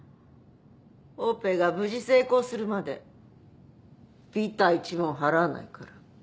オペが無事成功するまでびた一文払わないから。